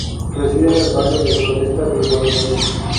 Reside en el barrio de Floresta de Buenos Aires.